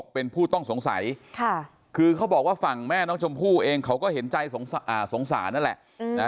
เป็นผู้ต้องสงสัยคือเขาบอกว่าฝั่งแม่น้องชมพู่เองเขาก็เห็นใจสงสารนั่นแหละ